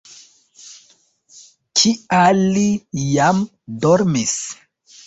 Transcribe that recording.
Kial li jam dormis?